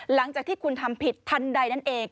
หลังจากที่คุณทำผิดทันใดนั่นเอง